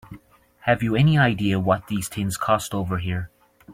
Have you any idea what these things cost over here?